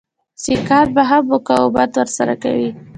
سیکهان به هم مقاومت ورسره کوي.